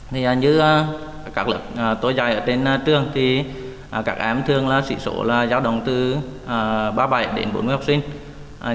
như các lớp tôi dạy ở trên trường thì các em thường là sỉ số là giáo đồng từ ba mươi bảy đến bốn mươi học sinh